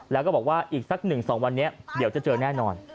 แล้วก็บอกว่าอีกสัก๑๒วันนี้เดี๋ยวจะเจอแน่นอน